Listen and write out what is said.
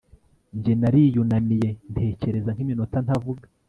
Njye nariyunamiye ntekereza nkiminota ntavuga